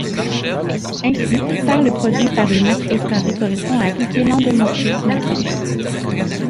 Ainsi, faire le produit par une matrice carrée correspond à appliquer l'endomorphisme associé.